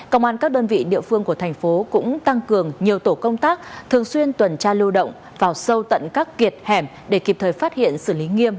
công an các đơn vị địa phương của thành phố cũng tăng cường nhiều tổ công tác thường xuyên tuần tra lưu động vào sâu tận các kiệt hẻm để kịp thời phát hiện xử lý nghiêm